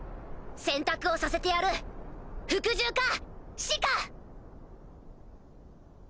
選択をさせてやる服従か死か！